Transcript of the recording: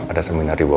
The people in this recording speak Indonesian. ada seminar di bogor